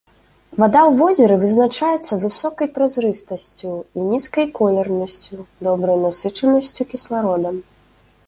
Вада ў возеры вызначаецца высокай празрыстасцю і нізкай колернасцю, добрай насычанасцю кіслародам.